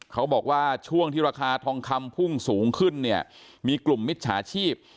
เขาบอกว่าช่วงที่ราคาทองคำพุ่งสูงขึ้นเนี่ยมีกลุ่มมิจฉาชีพ